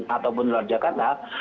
ataupun luar jakarta